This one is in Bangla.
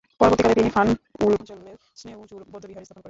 পরবর্তীকালে তিনি 'ফান-য়ুল অঞ্চলে স্নে'উ-জুর বৌদ্ধবিহার স্থাপন করেন।